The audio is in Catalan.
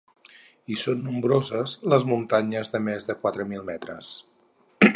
Hi són nombroses les muntanyes de més de quatre mil metres.